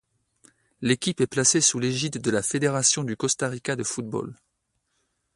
L'équipe est placée sous l'égide de la Fédération du Costa Rica de football.